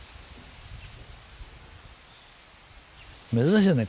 珍しいよね？